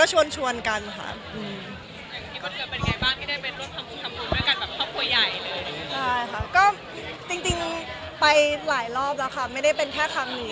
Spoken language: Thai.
แต่ว่าบางครั้งอาจจะแบบไม่ได้ลงรูปอะไรอย่างนี้